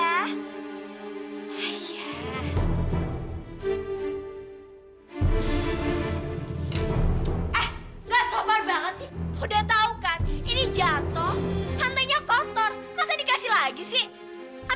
eh nggak sopan banget udah tahu kan ini jatuh santanya kotor masa dikasih lagi sih